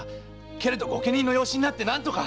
けれど御家人の養子になって何とか！